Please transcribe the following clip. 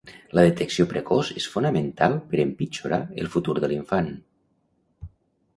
La detecció precoç és fonamental per empitjorar el futur de l'infant.